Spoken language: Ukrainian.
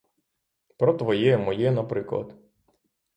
Про твоє, моє, наприклад.